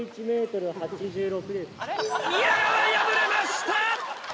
宮川敗れました！